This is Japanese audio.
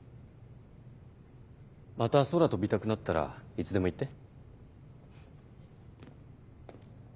また空飛びたくなったらいつでも言って。